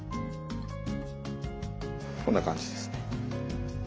こんな感じですね。